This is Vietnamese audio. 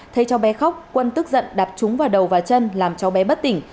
thấy cháu bé khóc quân tức giận đạp trúng vào đầu và chân làm cháu bé bất tỉnh